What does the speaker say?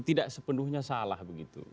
tidak sepenuhnya salah begitu